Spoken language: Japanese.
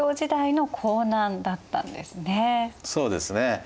そうですね。